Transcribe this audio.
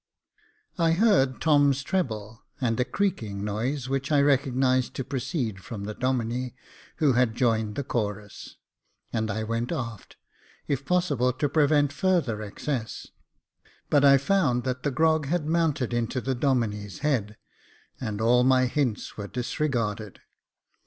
I HEARD Tom's treble, and a creaking noise, which I recognised to proceed from the Domine, who had joined the chorus ; and I went aft, if possible to prevent further excess ; but I found that the grog had mounted into the Domine's head, and all my hints were disregarded.